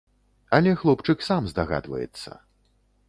Але хлопчык сам здагадваецца.